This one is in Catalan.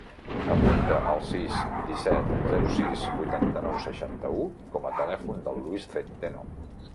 Apunta el sis, disset, zero, sis, vuitanta-nou, seixanta-u com a telèfon del Luis Centeno.